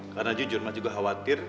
karena jujur mas juga khawatir